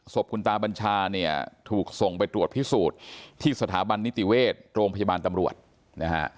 คุณตาบัญชาเนี่ยถูกส่งไปตรวจพิสูจน์ที่สถาบันนิติเวชโรงพยาบาลตำรวจนะฮะ